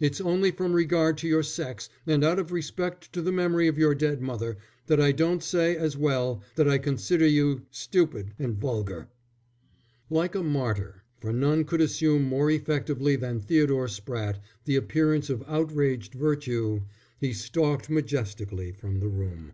It's only from regard to your sex, and out of respect to the memory of your dead mother, that I don't say, as well, that I consider you stupid and vulgar." Like a martyr, for none could assume more effectively than Theodore Spratte the appearance of outraged virtue, he stalked majestically from the room.